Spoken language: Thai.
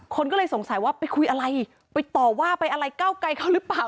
คนก็เลยสงสัยว่าไปคุยอะไรไปต่อว่าไปอะไรก้าวไกลเขาหรือเปล่า